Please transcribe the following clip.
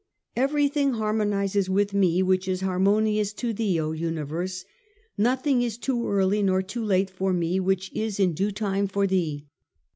' Everything harmonises with me which is harmonious to thee, O Nothing is too early nor too late for me which is in due time for thee.